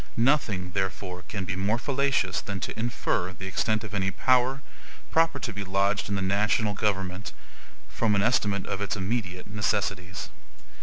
Nothing, therefore, can be more fallacious than to infer the extent of any power, proper to be lodged in the national government, from an estimate of its immediate necessities.